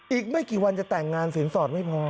อีกไม่กี่วันจะแต่งงานสินสอดไม่พอ